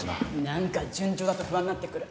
なんか順調だと不安になってくる。